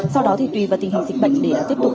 sau đó thì tùy vào tình hình dịch bệnh để tiếp tục